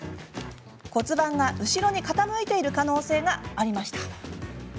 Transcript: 骨盤が後ろに傾いている可能性がありました。